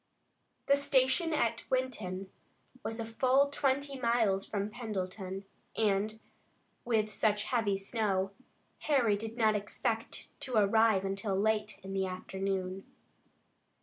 The station at Winton was a full twenty miles from Pendleton and, with such heavy snow, Harry did not expect to arrive until late in the afternoon.